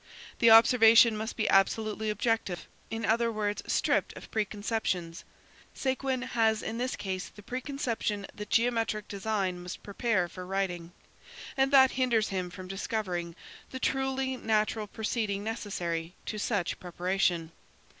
The observation must be absolutely objective, in other words, stripped of preconceptions. Séguin has in this case the preconception that geometric design must prepare for writing, and that hinders him from discovering the truly natural proceeding necessary to such preparation.